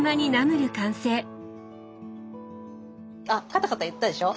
あカタカタ言ったでしょ。